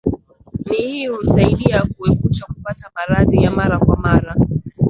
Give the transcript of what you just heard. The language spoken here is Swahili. ni hii humsaidia kuepusha kupata maradhi ya mara kwa mara